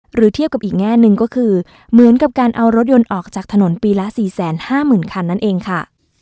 เทียบกับอีกแง่หนึ่งก็คือเหมือนกับการเอารถยนต์ออกจากถนนปีละ๔๕๐๐๐คันนั่นเองค่ะ